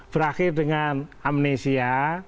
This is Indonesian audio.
berakhir dengan amnesia